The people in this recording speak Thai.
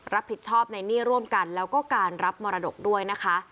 รับผิดชอบในหนี้ร่วมกันแล้วก็การรับมรดกด้วยนะคะ